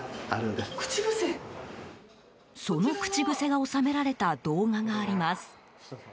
その口癖が収められた動画があります。